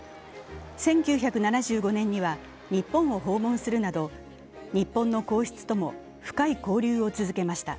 １９７５年には日本を訪問するなど、日本の皇室とも深い交流を続けました。